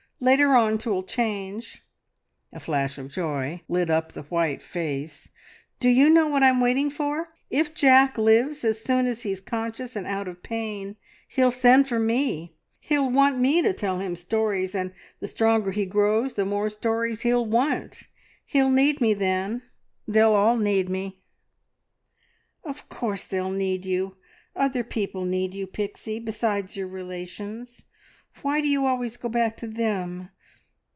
Later on 'twill change!" A flash of joy lit up the white face. "Do you know what I'm waiting for? If Jack lives, as soon as he's conscious and out of pain he'll send for me! He'll want me to tell him stories, and the stronger he grows the more stories he'll want! He'll need me then they'll all need me!" "Of course they'll need you. Other people need you, Pixie, besides your relations. Why do you always go back to them?